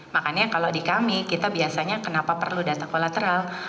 makanya kalau di kami kita biasanya kenapa perlu data kolateral